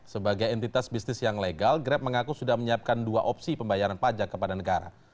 sebagai entitas bisnis yang legal grab mengaku sudah menyiapkan dua opsi pembayaran pajak kepada negara